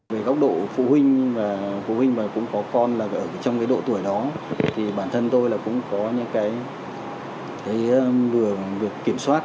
về góc độ phụ huynh mà cũng có con ở trong độ tuổi đó thì bản thân tôi cũng có những cái vừa kiểm soát